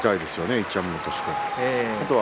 一山本としては。